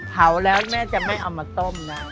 เผาแล้วแม่จะไม่เอามาต้มนะ